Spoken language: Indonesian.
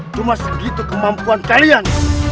itu masa gitu kemampuan kalian